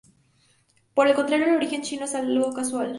Por el contrario, el origen chino es algo casual.